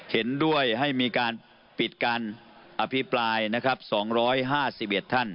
เห็นด้วยให้มีกันปิดการอภิปราย๒๕๑ท่าน